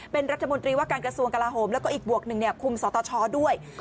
เป็นรัฐมนตรีว่าการกระทรวงกลาโหมแล้วก็อีกบวกหนึ่งคุมสตชด้วย